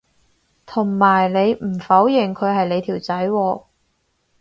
同埋你唔否認佢係你條仔喎